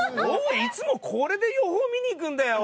いつもこれで予報見に行くんだよ俺。